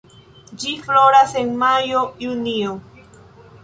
Ĝi floras en majo-junio.